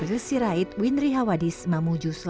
terserah pemerintah mau kasih bantuan apa saya